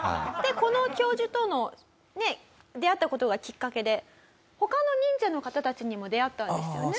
この教授との出会った事がきっかけで他の忍者の方たちにも出会ったんですよね？